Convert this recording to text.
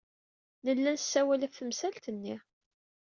Nella nessawal ɣef temsalt-nni.